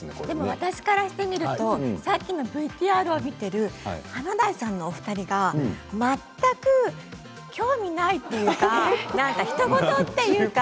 私からするとさっきのＶＴＲを見ている華大さんお二人が全く興味ないというか何か、ひと事というか。